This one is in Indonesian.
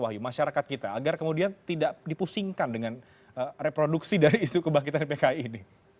wahyu masyarakat kita agar kemudian tidak dipusingkan dengan reproduksi dari isu kebangkitan pki ini